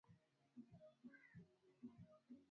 Chambua maharage vizuri toa uchafu